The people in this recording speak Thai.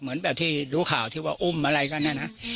เหมือนแบบที่รู้ข่าวที่ว่าอุ้มอะไรกันเนี่ยนะ